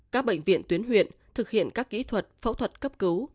các bệnh viện tuyến huyện thực hiện các kỹ thuật phẫu thuật cấp cứu